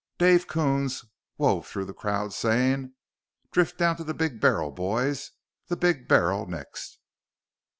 Dave Coons wove through the crowd then, saying, "Drift down to the Big Barrel, boys.... The Big Barrel next...."